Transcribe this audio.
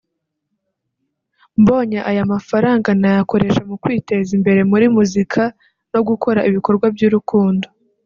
“Mbonye aya mafaranga nayakoresha mu kwiteza imbere muri muzika no gukora ibikorwa by’urukundo”